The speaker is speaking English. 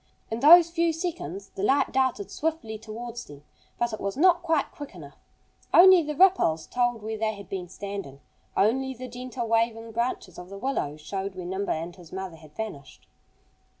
In those few seconds the light darted swiftly towards them. But it was not quite quick enough. Only the ripples told where they had been standing. Only the gently waving branches of the willows showed where Nimble and his mother had vanished.